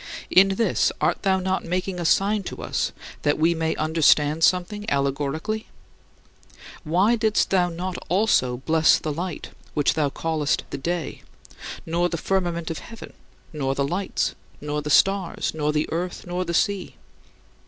In this art thou not making a sign to us that we may understand something [allegorically]? Why didst thou not also bless the light, which thou calledst "the day," nor the firmament of heaven, nor the lights, nor the stars, nor the earth, nor the sea?